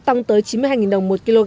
tăng tới chín mươi hai đồng một kg